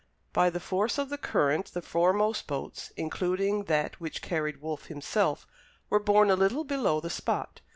By the force of the current the foremost boats, including that which carried Wolfe himself, were borne a little below the spot.